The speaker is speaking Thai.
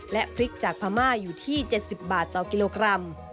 และพริกจากพม่าอยู่ที่๗๐บาทต่อกิโลกรัม